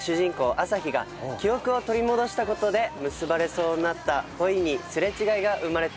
アサヒが記憶を取り戻した事で結ばれそうになった恋に擦れ違いが生まれてしまいます。